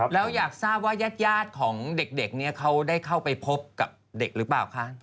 แล้วอยากทราบว่าญาติของเด็กนี้เขาได้เข้าไปพบกับเด็กหรือเปล่าคะ